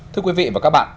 thưa quý vị và các bạn